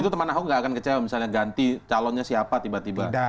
itu teman ahok nggak akan kecewa misalnya ganti calonnya siapa tiba tiba